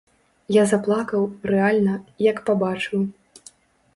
Я заплакаў, рэальна, як пабачыў.